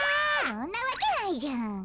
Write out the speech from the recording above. そんなわけないじゃん。